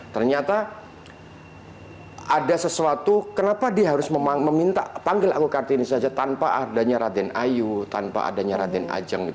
ternyata ada sesuatu kenapa dia harus meminta panggil aku kartini saja tanpa adanya raden ayu tanpa adanya raden ajeng